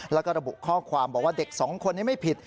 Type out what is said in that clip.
แล้วก็ระบุข้อความบอกว่าเด็กสองคนนี้ไม่ผิด